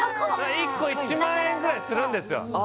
１個１万円ぐらいするんですよ・